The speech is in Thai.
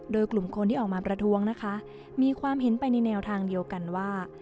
โดยกลุ่มคนที่ออกมาประท้วงนะคะมีความเห็นไปในแนวทางเดียวกันว่า